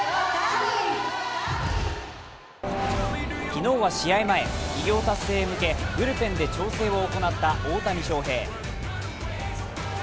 昨日は試合前、偉業達成へ向けブルペンで調整を行った大谷翔平。